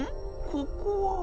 ここは。